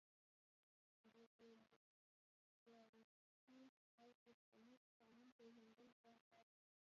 د اولیګارشۍ د اوسپنیز قانون پېژندل ګران کار دی.